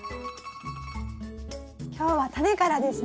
今日はタネからですね？